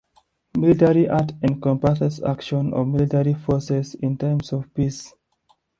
Military art encompasses actions of military forces in times of peace.